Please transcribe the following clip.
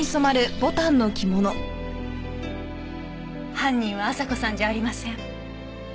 犯人は朝子さんじゃありません。